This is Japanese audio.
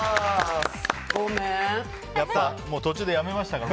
途中でやめましたから。